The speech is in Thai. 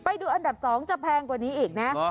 ไปดูอันดับ๒จะแพงกว่านี้อีกนะ